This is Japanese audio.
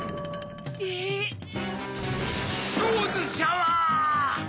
ノーズシャワー！